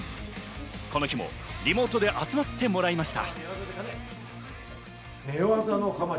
この日もリモートで集まってもらいました。